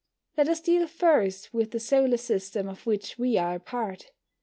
Let us deal first with the solar system of which we are a part.